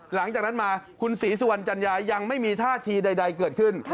หลังจากนั้นมาคุณศรีสุวรรณจัญญายังไม่มีท่าทีใดเกิดขึ้น